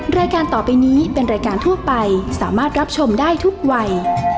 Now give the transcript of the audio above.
รายการต่อไปนี้เป็นรายการทั่วไปสามารถรับชมได้ทุกวัย